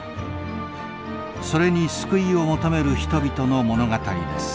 それに救いを求める人々の物語です。